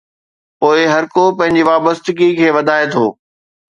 پوءِ هر ڪو پنهنجي وابستگي کي وڌائي ٿو.